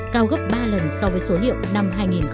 cao gấp ba lần so với số liệu năm hai nghìn một mươi